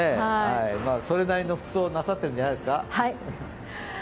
それなりの服装なさってるんじゃないですか。